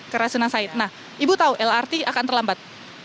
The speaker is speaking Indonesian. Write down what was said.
ke rasunan said nah ibu tahu lrt akan terlambat